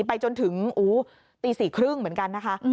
ไปจนถึงตี๔๓๐เหมือนกันนะคะ